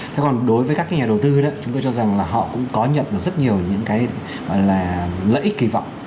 thế còn đối với các nhà đầu tư đó chúng tôi cho rằng là họ cũng có nhận được rất nhiều những cái gọi là lợi ích kỳ vọng